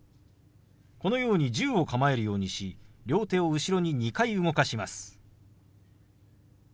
このように銃を構えるようにし両手を後ろに２回動かします。